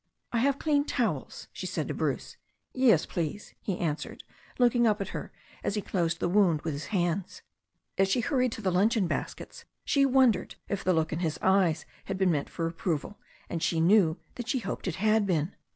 "I have clean towels," she said to Bruce. "Yes, please," he answered, looking up at her, as he closed the wound with his hands. As she hurried to the luncheon baskets she wondered if the look in his eyes had been meant for approval, and she knew she hoped it had been.